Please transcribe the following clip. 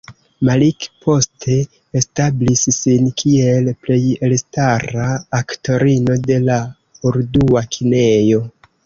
Malik poste establis sin kiel plej elstara aktorino de la urdua kinejo.